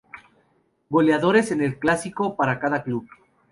Goleadores en el clásico para cada club.